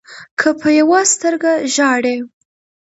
که په يوه سترګه ژاړې